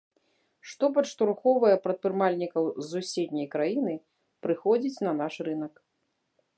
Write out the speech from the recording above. Што падштурхоўвае прадпрымальнікаў з суседняй краіны прыходзіць на наш рынак.